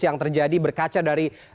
yang terjadi berkaca dari